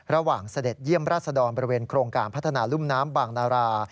เสด็จเยี่ยมราชดรบริเวณโครงการพัฒนารุ่มน้ำบางนารา